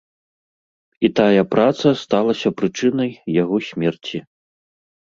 І тая праца сталася прычынай яго смерці.